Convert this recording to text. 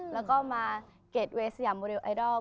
แล้วก็มาเกรดเวสยามโมเดลไอดอล